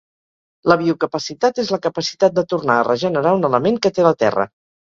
La biocapacitat és la capacitat de tornar a regenerar un element que té la Terra.